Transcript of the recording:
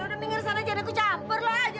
udah denger sana jangan deh kucampur lah aja